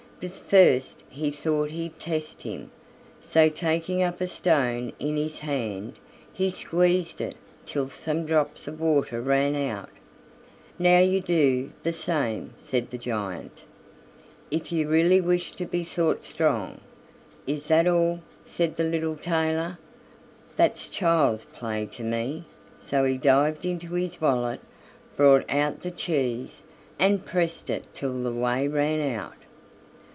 But first he thought he'd test him, so taking up a stone in his hand, he squeezed it till some drops of water ran out. "Now you do the same," said the giant, "if you really wish to be thought strong." "Is that all?" said the little tailor; "that's child's play to me," so he dived into his wallet, brought out the cheese, and pressed it till the whey ran out.